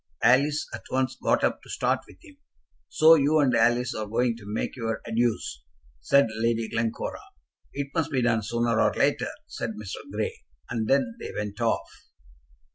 Alice at once got up to start with him. "So you and Alice are going to make your adieux," said Lady Glencora. "It must be done sooner or later," said Mr. Grey; and then they went off.